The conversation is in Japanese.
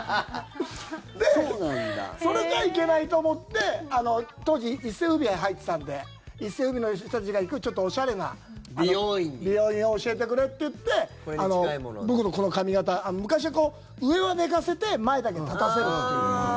で、それじゃいけないと思って当時、一世風靡入ってたんで一世風靡の人たちが行くちょっとおしゃれな美容院を教えてくれって言って僕のこの髪形昔は、上は寝かせて前だけ立たせるっていう。